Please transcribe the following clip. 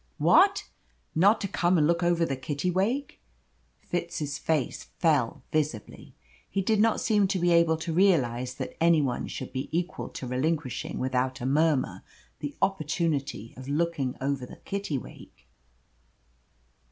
"What! Not to come and look over the Kittiwake?" Fitz's face fell visibly. He did not seem to be able to realise that any one should be equal to relinquishing without a murmur the opportunity of looking over the Kittiwake.